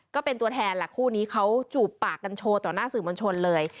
ก็เป็นตัวแทนแหละคู่นี้เขาจูบปากกันโชว์ต่อหน้าสื่อมวลชนเลย